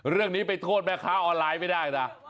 เรื่องนี้ไปโทษแม่ค้าออนไลน์ไม่ได้นะ